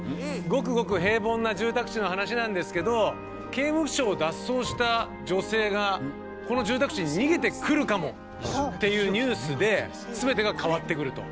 ごくごく平凡な住宅地の話なんですけど刑務所を脱走した女性がこの住宅地に逃げてくるかもっていうニュースで全てが変わってくると。